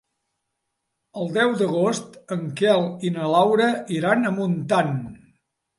El deu d'agost en Quel i na Laura iran a Montant.